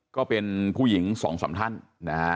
ก็เป็นผู้หญิงสองสามท่านนะฮะ